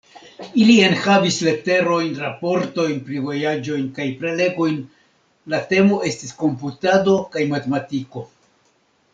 Ili enhavis leterojn, raportojn pri vojaĝojn, kaj prelegojn; la temo estis komputado kaj matematiko.